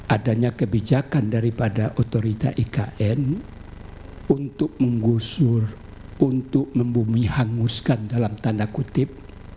adanya kebijakan daripada otorita ikn untuk menggusur untuk membumi hanguskan dalam tanda kutip